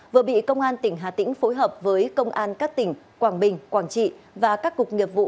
vừa bị công an tỉnh hà tĩnh phối hợp với công an các tỉnh quảng bình quảng trị và các cục nghiệp vụ